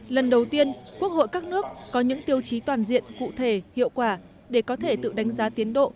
lần đầu tiên quốc hội các nước có những tiêu chí toàn diện cụ thể hiệu quả để có thể tự đánh giá tiến độ